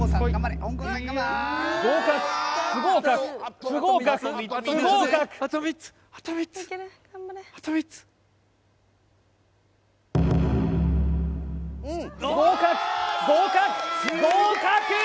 合格不合格不合格不合格合格合格合格！